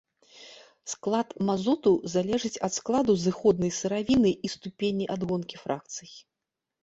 Склад мазуту залежыць ад складу зыходнай сыравіны і ступені адгонкі фракцый.